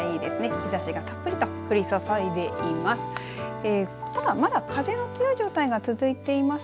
日ざしがたっぷりと降り注いでいます。